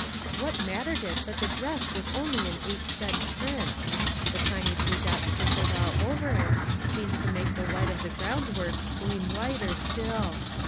What mattered it that the dress was only an eight cent print ? The tiny blue dots sprinkled all over it, seemed to make the white of the groundwork gleam whiter still.